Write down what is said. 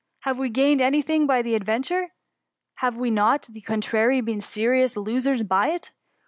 Have we gained any thing by the adrentuie P Have we not, on the contrary, been saious losers by it